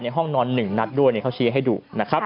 ในห้องนอนหนึ่งนัดด้วยเขาชี้ให้ดู